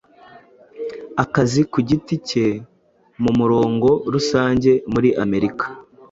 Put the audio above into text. akazi kugiti cye mumurongo rusange muri Amerika